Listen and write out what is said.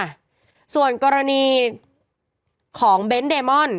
อ่ะส่วนกรณีของเบนท์เดมอน